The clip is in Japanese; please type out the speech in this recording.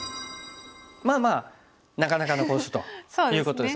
まあまあなかなかの好手ということですね。